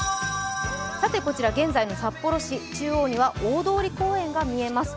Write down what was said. こちら現在の札幌市、中央には大通公園が見えます。